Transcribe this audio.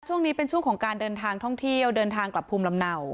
ช่วงนี้เป็นช่วงของการเดินทางท่องเที่ยวเดินทางกลับภูมิลำเนา